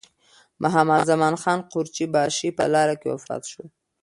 محمدزمان خان قورچي باشي په لاره کې وفات شو.